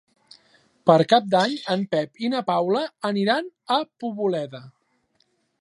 Per Cap d'Any en Pep i na Paula aniran a Poboleda.